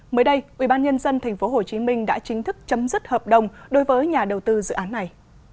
mới đây ubnd tp hcm đã chính thức chấm dứt hợp đồng đối với nhà đầu tư dự án này